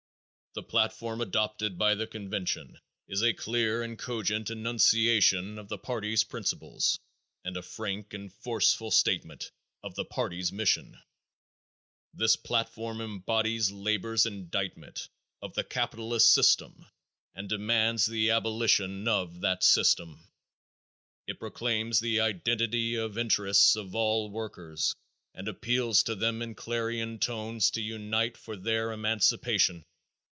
The platform adopted by the convention is a clear and cogent enunciation of the party's principles and a frank and forceful statement of the party's mission. This platform embodies labor's indictment of the capitalist system and demands the abolition of that system. It proclaims the identity of interests of all workers and appeals to them in clarion tones to unite for their emancipation.